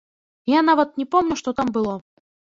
Я нават не помню, што там было.